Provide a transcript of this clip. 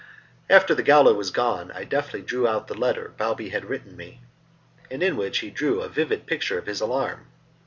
After the gaoler was gone I deftly drew out the letter Balbi had written me, and in which he drew a vivid picture of his alarm.